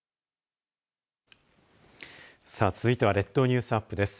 さあ続いては列島ニュースアップです。